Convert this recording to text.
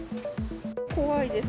怖いです。